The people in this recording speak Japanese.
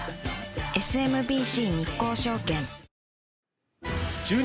ＳＭＢＣ日興証券中日